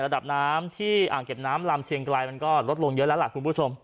ระดับน้ำที่อ่างเก็บน้ำลำเชียงไกลมันก็ลดลงเยอะแล้วล่ะคุณผู้ชม